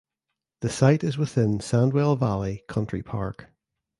The site is within Sandwell Valley Country Park.